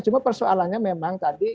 cuma persoalannya memang tadi